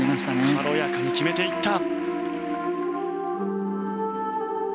軽やかに決めていった。